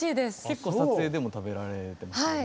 結構撮影でも食べられてますよね。